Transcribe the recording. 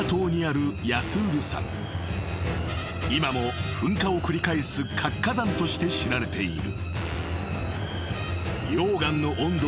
［今も噴火を繰り返す活火山として知られている］